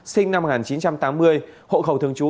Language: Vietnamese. sinh năm một nghìn chín trăm tám mươi hộ khẩu thường trú